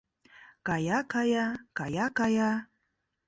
Кая-кая, кая-кая...